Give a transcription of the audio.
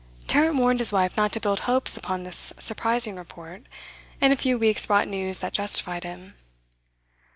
Tarrant warned his wife not to build hopes upon this surprising report, and a few weeks brought news that justified him.